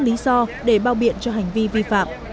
tài xế cũng không có lý do để bao biện cho hành vi vi phạm